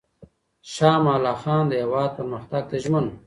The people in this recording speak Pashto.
شاه امان الله خان د هېواد پرمختګ ته ژمن و.